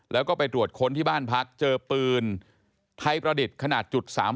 แล้วก็ไปตรวจค้นที่บ้านพักเจอปืนไทยประดิษฐ์ขนาด๓๘